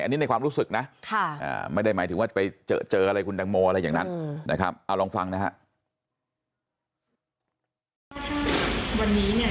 อันนี้ในความรู้สึกนะไม่ได้หมายถึงว่าไปเจออะไรคุณแตงโมอะไรอย่างนั้นนะครับเอาลองฟังนะฮะ